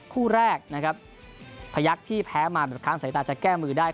คู่แรกนะครับพยักษ์ที่แพ้มาแบบค้างสายตาจะแก้มือได้